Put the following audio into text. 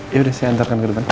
yaudah saya hantarkan ke depan